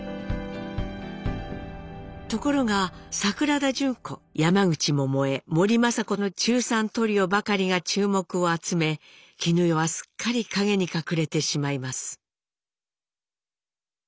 ところが桜田淳子山口百恵森昌子の「中三トリオ」ばかりが注目を集め絹代はすっかり陰に隠れてしまいます。